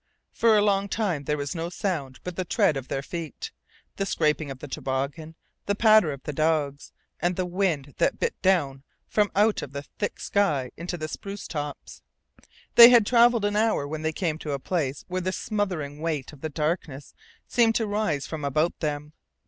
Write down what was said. For a long time there was no sound but the tread of their feet, the scraping of the toboggan, the patter of the dogs, and the wind that bit down from out of the thick sky into the spruce tops. They had travelled an hour when they came to a place where the smothering weight of the darkness seemed to rise from about them.